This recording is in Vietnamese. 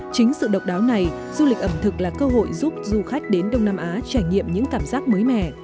chính sự độc đáo này du lịch ẩm thực là cơ hội giúp du khách đến đông nam á trải nghiệm những cảm giác mới mẻ